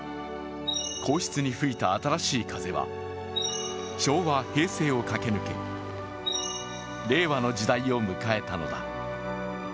皇室に吹いた新しい風は昭和、平成を駆け抜け令和の時代を迎えたのだ。